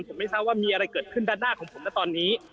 ผมไม่ทราบว่ามีอะไรเกิดขึ้นด้านหน้าของผมนะตอนนี้